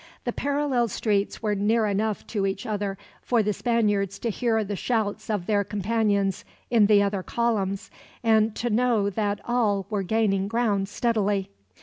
The parallel streets were near enough to each other for the Spaniards to hear the shouts of their companions in the other columns, and to know that all were gaining ground steadily.